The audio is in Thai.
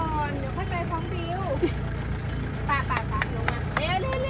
กินข้าวขอบคุณครับ